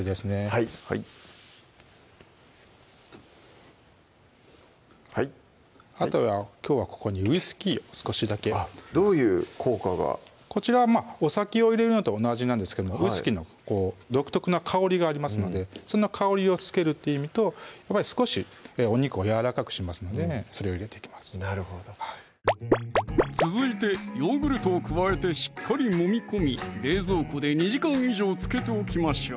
はいはいあとはきょうはここにウイスキーを少しだけどういう効果がこちらはお酒を入れるのと同じなんですけどウイスキーの独特な香りがありますのでその香りをつけるっていう意味と少しお肉をやわらかくしますのでそれを入れていきますなるほどはい続いてヨーグルトを加えてしっかりもみ込み冷蔵庫で２時間以上漬けておきましょう